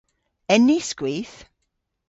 En ni skwith?